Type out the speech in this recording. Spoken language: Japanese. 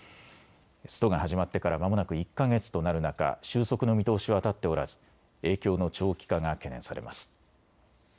ストが始まってからまもなく１か月となる中、収束の見通しは立っておらず影響の長期化が懸念されます。